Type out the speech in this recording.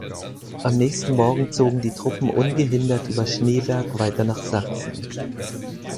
Am nächsten Morgen zogen die Truppen ungehindert über Schneeberg weiter nach Sachsen.